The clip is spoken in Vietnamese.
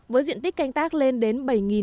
với diện tích canh tác lên đến bảy mươi